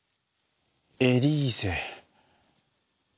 エリーゼ。